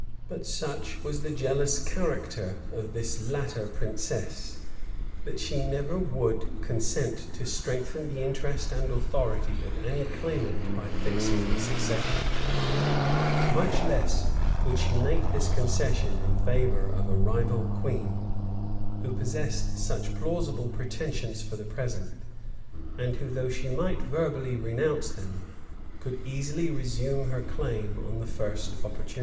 [] But such was the jealous character of this latter princess, that she never would consent to strengthen the interest and authority of any claimant by fixing the succession; much less would she make this concession in favor of a rival queen, who possessed such plausible pretensions for the present, and who, though she might verbally renounce them, could easily resume her claim on the first opportunity.